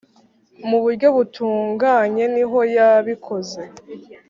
Mu buryo butunganye nihoyabikoze.